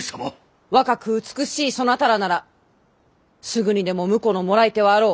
若く美しいそなたらならすぐにでも婿のもらい手はあろう。